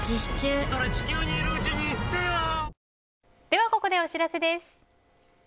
では、ここでお知らせです。